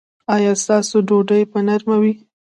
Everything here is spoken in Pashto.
ایا ستاسو ډوډۍ به نرمه وي؟